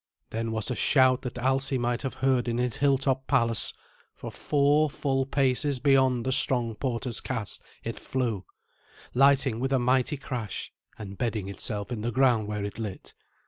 Then was a shout that Alsi might have heard in his hilltop palace, for full four paces beyond the strong porter's cast it flew, lighting with a mighty crash, and bedding itself in the ground where it lit.